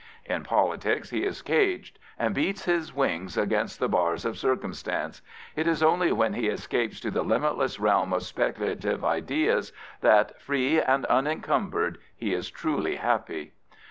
In politics he is caged, and beats his wings against the bars of circumstance: it is only when he escapes to the limitless realm of speculative ideas that, free and unencumbered, he is truly happy.